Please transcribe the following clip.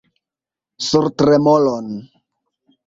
Sur tremolon!